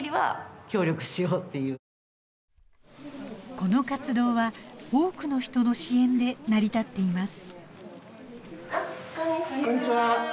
この活動は多くの人の支援で成り立っています